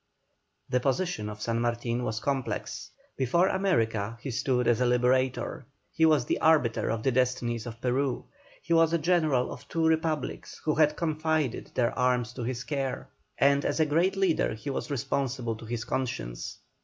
The position of San Martin was complex; before America he stood as a liberator, he was the arbiter of the destinies of Peru; he was a general of two republics who had confided their armies to his care; and as a great leader he was responsible to his conscience.